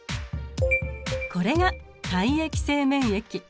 これが体液性免疫。